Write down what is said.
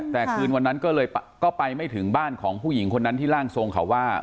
แต่คืนวันนั้นก็เลยก็ไปไม่ถึงบ้านของผู้หญิงคนนั้นที่ร่างทรงเขาว่า